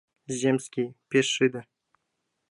Земский — пеш шыде.